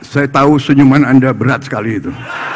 saya tahu senyuman anda berat sekali itu